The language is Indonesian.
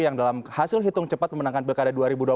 yang dalam hasil hitung cepat memenangkan pilkada dua ribu dua puluh